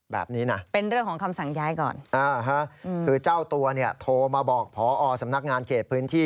แบบนี้นะคือเจ้าตัวเนี่ยโทรมาบอกผอสำนักงานเขตพื้นที่